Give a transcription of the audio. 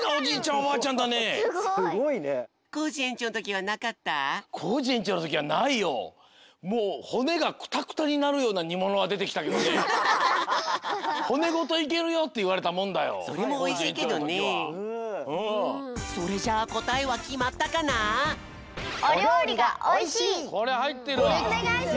おねがいします！